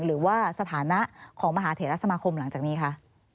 หรือว่าสถานะของมหาเถระสมาคมหลังจากนี้คะ